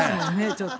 ちょっと。